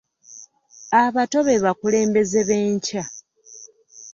Abato be bakulembeze b'enkya .